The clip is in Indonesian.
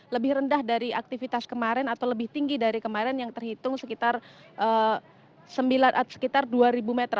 lebih rendah dari aktivitas kemarin atau lebih tinggi dari kemarin yang terhitung sekitar dua ribu meter